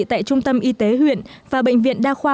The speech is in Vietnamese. tại trung tâm y tế huyện và bệnh viện đa khoa